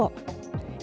di akun instagramnya